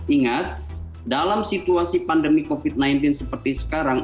ingat dalam situasi pandemi covid sembilan belas seperti sekarang